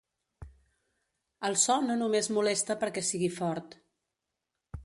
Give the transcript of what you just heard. El so no només molesta perquè sigui fort.